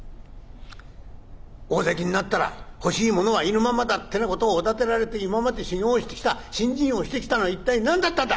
大関になったら欲しいものは意のままだってなことをおだてられて今まで修業してきた信心をしてきたのは一体何だったんだ？